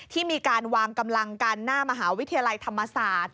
ที่มีการวางกำลังกันหน้ามหาวิทยาลัยธรรมศาสตร์